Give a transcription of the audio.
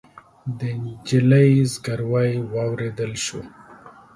د نجلۍ زګيروی واورېدل شو.